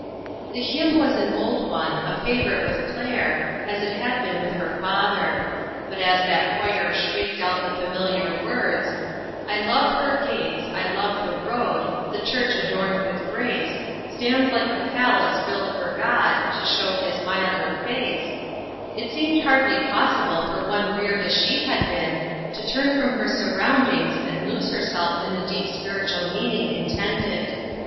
The hymn was an old one, a favorite with Claire, as it had been with her father ; but as that choir shrieked out the familiar words I love her gates, I love the road, The church adorned with grace, Stands like a palace built for God, To show his milder face, fO INTERRUPfEb. it seemed hardly possible for one reared as she had been, to turn from her surroundings and lose herself in the deep spiritual mean ing intended.